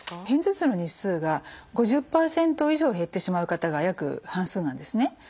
片頭痛の日数が５０％以上減ってしまう方が約半数なんですね。